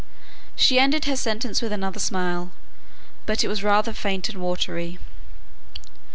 She ended her sentence with another smile, but it was rather faint and watery.